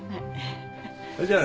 それじゃあね。